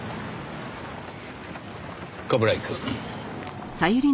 冠城くん。